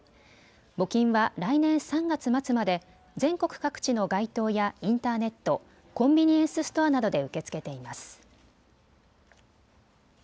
募金は来年３月末まで全国各地の街頭やインターネット、コンビニエンスストアなどで受け付けています。